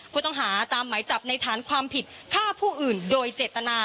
ผู้ต้องหาตามหมายจับในฐานความผิดฆ่าผู้อื่นโดยเจตนา